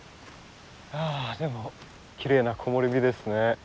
あでもきれいな木漏れ日ですね。